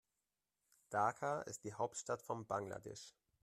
Dhaka ist die Hauptstadt von Bangladesch.